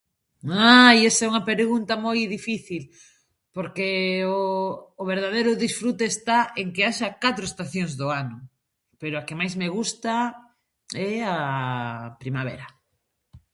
Ai esa é unha pregunta moi difícil porque o o verdadero disfrute está en que haxa catro estacións do ano, pero a que máis me gusta é a primavera.